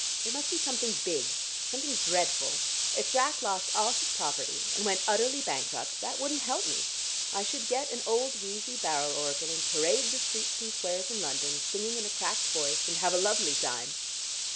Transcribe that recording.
It must be something big, something dreadful. If Jack lost all his property, and went utterly bankrupt, that wouldn't help me. I should get an old wheezy barrel organ and parade the streets and squares in London, singing in a cracked voice, and have a lovely time.